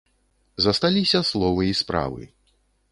Засталіся словы і справы.